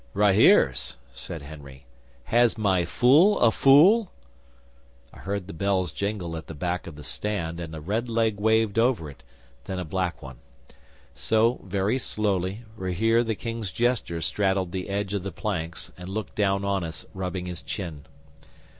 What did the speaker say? '"Rahere's?" said Henry. "Has my fool a fool?" 'I heard the bells jingle at the back of the stand, and a red leg waved over it; then a black one. So, very slowly, Rahere the King's jester straddled the edge of the planks, and looked down on us, rubbing his chin.